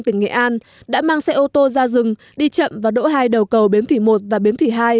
tỉnh nghệ an đã mang xe ô tô ra rừng đi chậm và đỗ hai đầu cầu biến thủy một và biến thủy hai